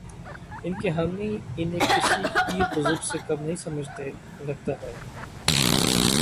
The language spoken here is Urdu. ان کے حامی انہیں کسی پیر بزرگ سے کم نہیں سمجھتے، لگتا ہے۔